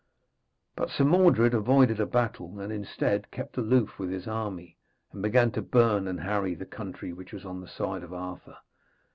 But Sir Mordred avoided a battle, and, instead, kept aloof with his army, and began to burn and harry the country which was on the side of Arthur.